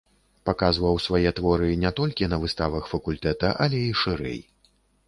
Паказваў свае творы не толькі на выставах факультэта, але і шырэй.